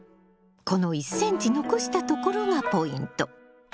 この１ｃｍ残したところがポイント。